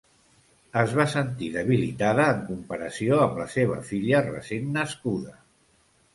Es va sentir debilitada en comparació amb la seva filla recent nascuda.